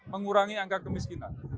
mengurangi angka kemiskinan